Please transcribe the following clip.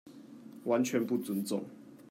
完全不尊重